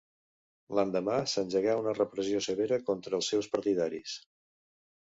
L'endemà s'engegà una repressió severa contra els seus partidaris.